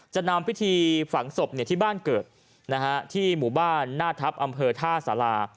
นำพิธีฝังศพที่บ้านเกิดที่หมู่บ้านหน้าทัพอำเภอท่าสารา